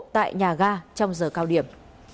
tại nhà ga trong giờ cao điểm